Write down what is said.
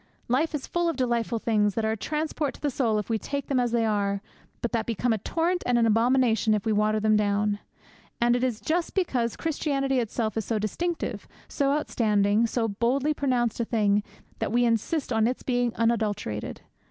Life is full of delightful things that are a transport to the soul if we take them as they are, but that become a torment and an abomination if we water them down. And it is just because Christianity itself is so distinctive, so outstanding, so boldly pronounced a thing, that we insist on its being unadulterated.